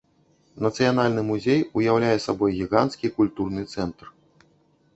Нацыянальны музей уяўляе сабой гіганцкі культурны цэнтр.